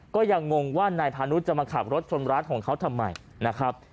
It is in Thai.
ก็ยังงงว่านายพานุจะมาขับรถชนร้านของเขาทำไมนะครับ